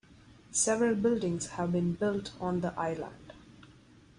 Several buildings have been built on the island.